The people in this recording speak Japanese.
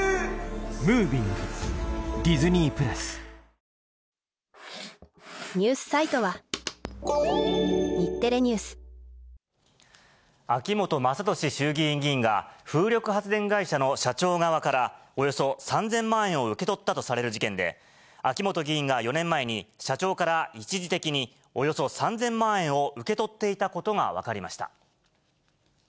また、あさって月曜日から水曜日にかけては、東日本から西日本の太平洋側を中心に、秋本真利衆議院議員が、風力発電会社の社長側から、およそ３０００万円を受け取ったとされる事件で、秋本議員が４年前に社長から一時的に、およそ３０００万円を受け取っていたことが分かりました。